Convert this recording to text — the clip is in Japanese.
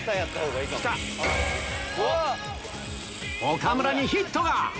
岡村にヒットが！